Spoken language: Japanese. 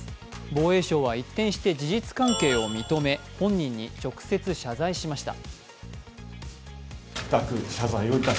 防衛省は一転して事実関係を認め、本人に直接謝罪しました。